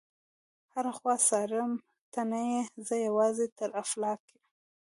هره خوا څارم ته نه يې، زه یوازي تر افلاکه